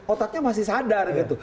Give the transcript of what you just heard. otaknya masih sadar gitu